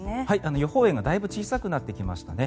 予報円がだいぶ小さくなってきましたね。